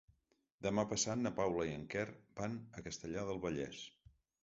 Demà passat na Paula i en Quer van a Castellar del Vallès.